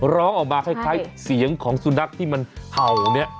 ร้องออกมาคล้ายเสียงของสุนัขที่มันเห่าเนี่ย